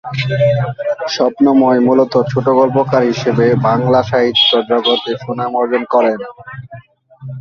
স্বপ্নময় মূলত ছোটগল্পকার হিসেবে বাংলা সাহিত্য জগতে সুনাম অর্জন করেন।